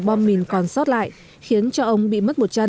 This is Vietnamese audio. bom mìn còn sót lại khiến cho ông bị mất một chân